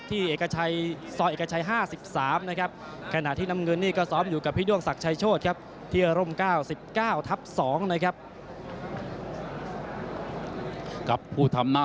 คู่แรกจบยก๔คู่นี้จบยกไหนต้องติดตามวิทยามา